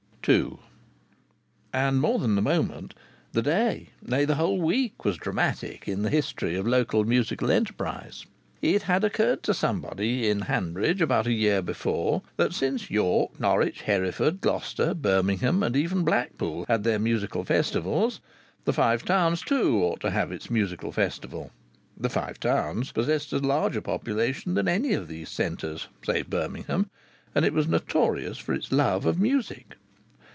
II And more than the moment the day, nay, the whole week was dramatic in the history of local musical enterprise. It had occurred to somebody in Hanbridge, about a year before, that since York, Norwich, Hereford, Gloucester, Birmingham, and even Blackpool had their musical festivals, the Five Towns, too, ought to have its musical festival. The Five Towns possessed a larger population than any of these centres save Birmingham, and it was notorious for its love of music.